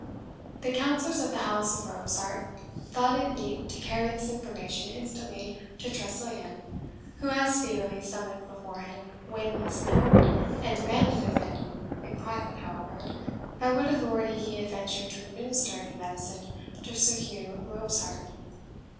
The counsellors of the house of Robsart thought it meet to carry this information instantly to Tressilian, who as speedily summoned before him Wayland Smith, and demanded of him (in private, however) by what authority he had ventured to administer any medicine to Sir Hugh Robsart?